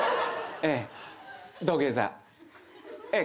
ええ。